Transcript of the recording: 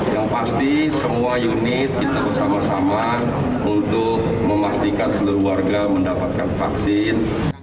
yang pasti semua unit kita bersama sama untuk memastikan seluruh warga mendapatkan vaksin